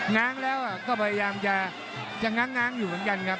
ง้างแล้วก็พยายามจะง้าง้างอยู่เหมือนกันครับ